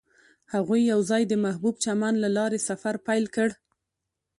هغوی یوځای د محبوب چمن له لارې سفر پیل کړ.